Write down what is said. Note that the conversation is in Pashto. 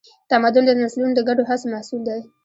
تمدن د نسلونو د ګډو هڅو محصول دی.